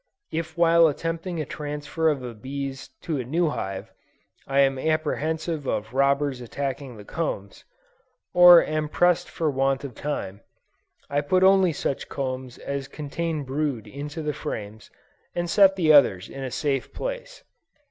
If while attempting a transfer of the bees to a new hive, I am apprehensive of robbers attacking the combs, or am pressed for want of time, I put only such combs as contain brood into the frames, and set the others in a safe place.